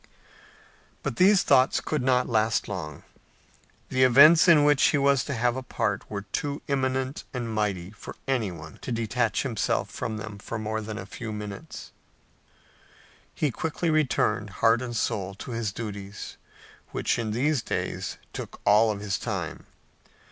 But these thoughts could not last long. The events in which he was to have a part were too imminent and mighty for anyone to detach himself from them more than a few minutes. He quickly returned, heart and soul, to his duties, which in these days took all his time.